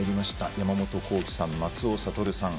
山本幸輝さん、松尾諭さん